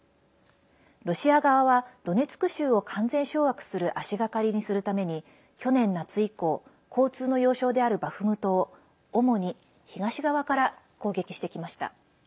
ロシア側はドネツク州を完全掌握する足がかりにするために去年夏以降交通の要衝であるバフムトを主に東側から攻撃してきました。